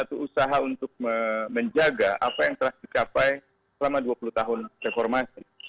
satu usaha untuk menjaga apa yang telah dicapai selama dua puluh tahun reformasi